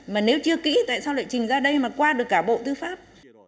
mà nếu chưa kỹ tại sao lại trình ra đây mà qua được cả bộ tư pháp